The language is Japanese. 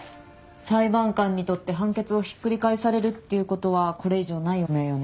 裁判官にとって判決をひっくり返されるっていうことはこれ以上ない汚名よね。